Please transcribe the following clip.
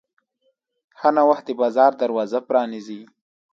ښه نوښت د بازار دروازه پرانیزي.